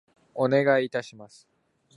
お願い致します。